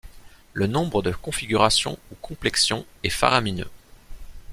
Le nombre de configurations ou complexions est faramineux.